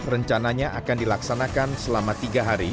rencananya akan dilaksanakan selama tiga hari